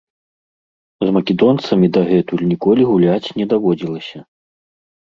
З македонцамі дагэтуль ніколі гуляць не даводзілася.